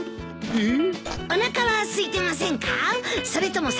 えっ。